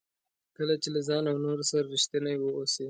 کله چې له ځان او نورو سره ریښتیني واوسئ.